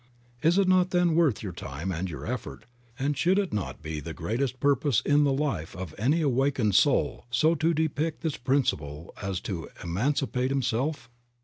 Is it not then worth your time and your effort, and should it not be the greatest purpose in the life of any awakened soul so to depict this principle as to emancipate himself?